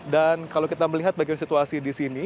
dan kalau kita melihat bagian situasi di sini